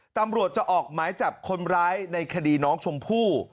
ตำรวจจะออกหมายจับคนร้ายในคดีน้องชมพู่